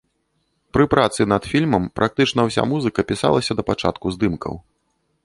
Пры працы над фільмам практычна ўся музыка пісалася да пачатку здымкаў.